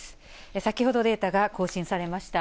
先ほどデータが更新されました。